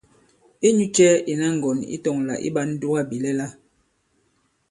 Inyu cɛ ìna ŋgɔ̀n ǐ tɔ̄ŋ lā ǐ ɓā ǹdugabìlɛla ?